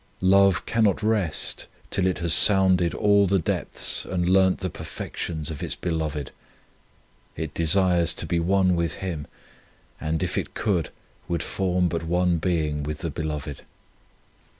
Love cannot rest till it has sounded all the depths and learnt the perfections of its Beloved. It desires to be one with Him, and, if it could, would form but one being with the Beloved.